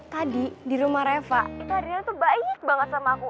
tadi di rumah reva itu ariel tuh banyak banget sama aku